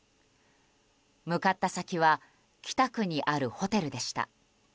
向かった先は北区にあるホテルでした。